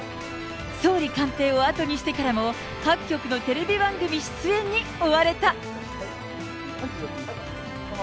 総理官邸を後にしてからも、各局のテレビ番組出演に追われた。